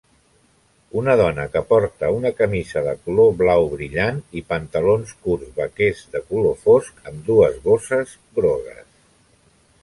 Una dona que porta una camisa de color blau brillant i pantalons curts vaquers de color fosc amb dues bosses grogues.